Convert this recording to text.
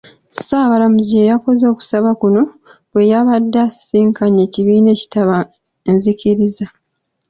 Ssaabalamuzi ye yakoze okusaba kuno bwe yabadde asisinkanye ekibiina ekitaba enzikiriza.